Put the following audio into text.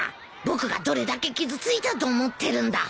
僕がどれだけ傷ついたと思ってるんだ。